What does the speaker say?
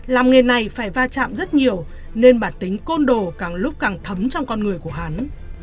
làm nghề này phải va chạm rất nhiều nên bản tính côn đồ càng lúc càng thấm trong con người của hắn